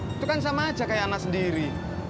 itu kan sama aja kayak anak sendiri